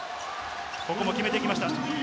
ここも決めてきました。